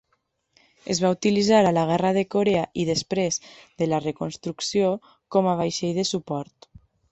Es va utilitzar a la Guerra de Corea i, després de la reconstrucció, com a vaixell de suport.